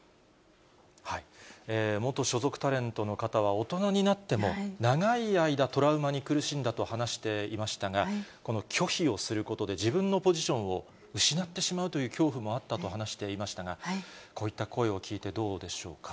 元所属タレントの方は、大人になっても長い間、トラウマに苦しんだと話していましたが、この拒否をすることで自分のポジションを失ってしまうという恐怖もあったと話していましたが、こういった声を聞いてどうでしょうか。